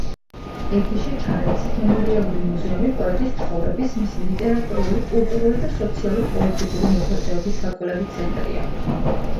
ეგიშე ჩარენცის მემორიალური მუზეუმი პოეტის ცხოვრების, მისი ლიტერატურული, კულტურული და სოციალურ-პოლიტიკური მოღვაწეობის საკვლევი ცენტრია.